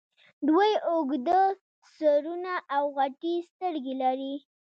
دوی اوږده سرونه او غټې سترګې لرلې